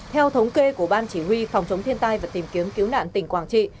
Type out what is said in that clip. theo thống kê của ban chỉ huy phòng chống thiên tai và tìm kiếm cứu nạn tỉnh quảng trị